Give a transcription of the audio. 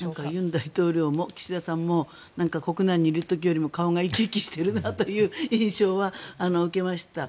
尹大統領も岸田さんも国内にいる時よりも顔が生き生きしているなという印象は受けました。